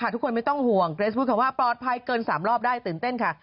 ทุกคนไม่ต้องห่วงเกรสพูดคำว่าปลอดภัยเกิน๓รอบได้ตื่นเต้นค่ะ